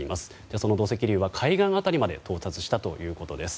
その土石流は海岸辺りにまで到達したということです。